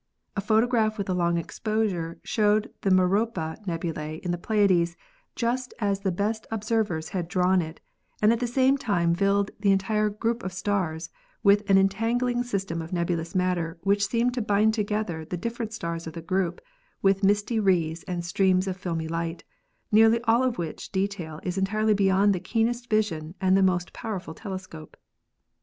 A photograph with a long exposure showed the Merope nebula in the Pleiades just as the best observers had drawn it, and at the same time filled the entire group of stars with an entangling system of nebulous matter which seemed to bind together the different stars of the group with misty wreaths and streams of filmy light, nearly all of which detail is entirely beyond the keenest vision and the most powerful telescope.